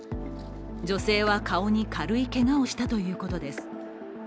女性は顔に軽いけがをしたということです。